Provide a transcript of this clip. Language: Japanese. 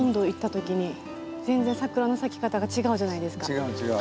違う違う。